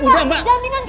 jangan di ktp